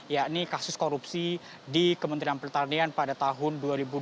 yakni kasus korupsi di kementerian pertanian pada tahun dua ribu dua puluh